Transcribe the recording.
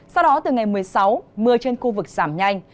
sau đó từ ngày một mươi sáu mưa trên khu vực giảm nhanh